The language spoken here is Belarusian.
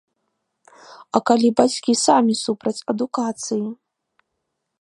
А калі бацькі самі супраць адукацыі?